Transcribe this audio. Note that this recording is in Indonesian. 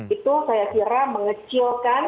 itu saya kira mengecewakan